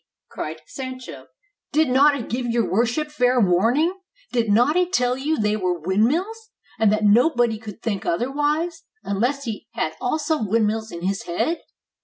cried Sancho, ''did not I give your worship fair warning? Did not I tell you they were windmills, and that nobody could think other wise, unless he had also windmills in his head?"